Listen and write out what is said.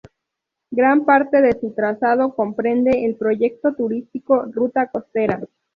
Gran parte de su trazado comprende el Proyecto Turístico "Ruta Costera".